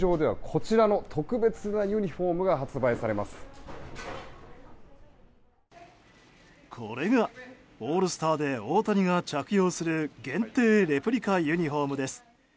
これがオールスターで大谷が着用する限定レプリカユニホームです。